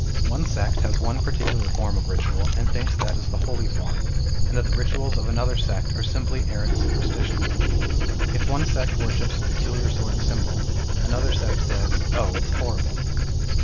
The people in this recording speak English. One sect has one particular form of ritual, and thinks that is the holy form, and that th<\ rituals of another sect are simply arrant supersti tion. If one sect worships a peculiar sort of symbol, another sect says " Oh, it's horrible."